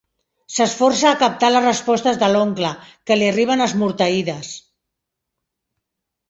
S'esforça a captar les respostes de l'oncle, que li arriben esmorteïdes.